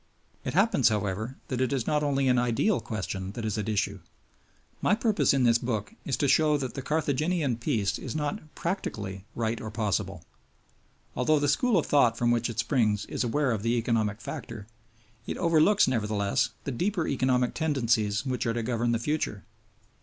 It happens, however, that it is not only an ideal question that is at issue. My purpose in this book is to show that the Carthaginian Peace is not practically right or possible. Although the school of thought from which it springs is aware of the economic factor, it overlooks, nevertheless, the deeper economic tendencies which are to govern the future.